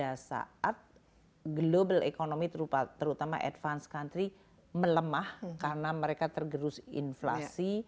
pada saat global economy terutama advance country melemah karena mereka tergerus inflasi